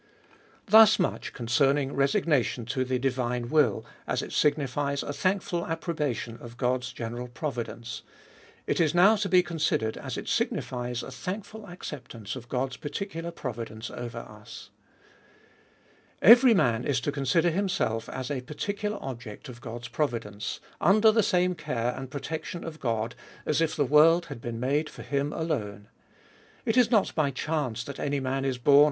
; Thus much concerrtins,' resioniation to the divine will, as it signifies a thdnkfui approbation of God's general providence: It is now to be considered, as it signifies a thankful acceptance of God's particular providence over us. Every man is to considerdlimself as a particular ob ject of God's providence; under the same care and protection of God, as if the world had been made for iiim alone. It is not by chance that any man is born DEVOUT AND HOLY LIFE.